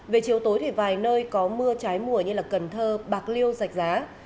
về chiều tối thì vài nơi có mưa trái mùa như cần thơ bạc liêu sạch giá